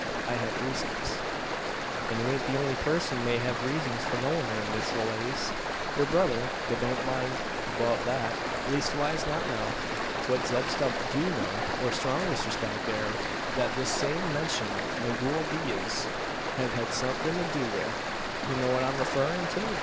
I have reasons." "An' you ain't the only purson may hev reezuns for knowin' him, Miss Lewaze. Yur brother but never mind 'beout that leastwise not now. What Zeb Stump do know, or strongly surspect, air, thet this same mentioned Migooel Dee ez hev had somethin' to do wi' You know what I'm refarrin' to?"